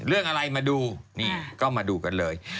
เรื่องอะไรมาดูนี่ก็มาดูกันเลย